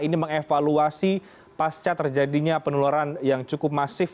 ini mengevaluasi pasca terjadinya penularan yang cukup masif